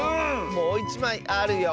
もういちまいあるよ！